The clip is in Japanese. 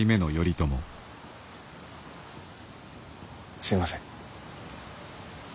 すいません。